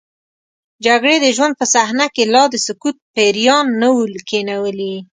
جګړې د ژوند په صحنه کې لا د سکوت پیریان نه وو کینولي.